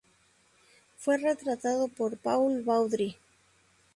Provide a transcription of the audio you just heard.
Fue retratado por Paul Baudry.